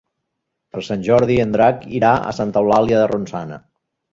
Per Sant Jordi en Drac irà a Santa Eulàlia de Ronçana.